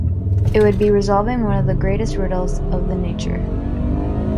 It would be resolving one of the greatest riddles of the nature.